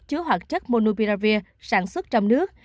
chứa hoạt chất monopiravir sản xuất trong nước